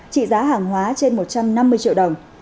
trị giá hàng hóa trên một trăm năm mươi triệu đồng